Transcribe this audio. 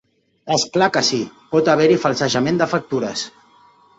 És clar que sí, pot haver-hi falsejament de factures.